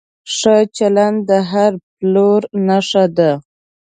ښه چلند د هر پلور نښه ده.